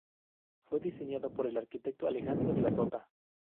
Fue diseñado por el arquitecto Alejandro de la Sota.